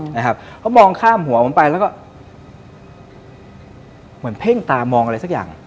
นะครับเขามองข้ามหัวผมไปแล้วก็เหมือนเพ่งตามองอะไรสักอย่าง